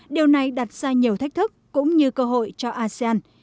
điều này đặt ra nhiều thách thức cũng như cơ hội cho asean